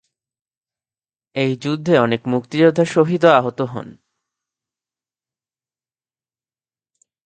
এই যুদ্ধে অনেক মুক্তিযোদ্ধা শহীদ ও আহত হন।